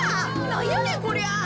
なんやねんこりゃ。